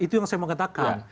itu yang saya mau katakan